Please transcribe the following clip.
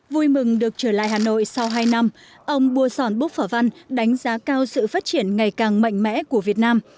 vui mừng được trở lại hà nội sau hai năm ông bua sòn búc phả văn đánh giá cao sự phát triển ngày càng mạnh mẽ của việt nam